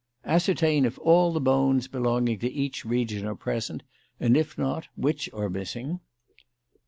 Ascertain if all the bones belonging to each region are present, and if not, which are missing.